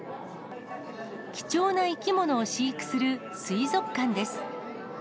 貴重な生き物を飼育する水族館です。